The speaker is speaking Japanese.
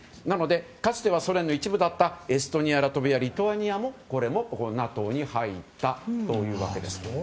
なので、かつてはソ連の一部だったエストニアラトビア、リトアニアもこれもＮＡＴＯに入ったというわけです。